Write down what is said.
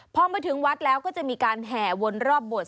พอมาถึงวัดแล้วก็จะมีการแห่วนรอบบท